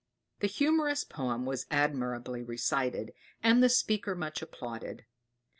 The humorous poem was admirably recited, and the speaker much applauded.